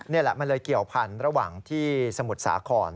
นี่แหละมันเลยเกี่ยวพันธุ์ระหว่างที่สมุทรสาคร